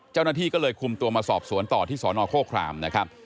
เจ้าหน้าที่ก็เลยคุมตัวมาสอบสวนต่อที่สนโคครามนะครับ